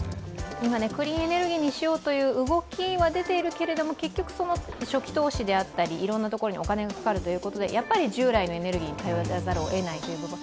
クリーンエネルギーにしようという動きは出てるけど、結局初期投資であったり、いろんなところにお金がかかるということでやはり従来のエネルギーに頼らざるをえないということで。